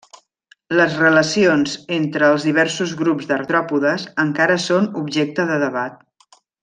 Les relacions entre els diversos grups d'artròpodes encara són objecte de debat.